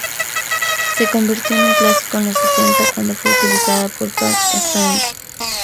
Se convirtió en un clásico en los setenta cuando fue utilizada por Paul Stanley.